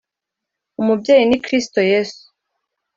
umubyeyi ni kristo yesu